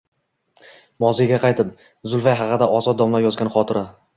Moziyga qaytib: Zulfiya haqida Ozod domla yozgan xotira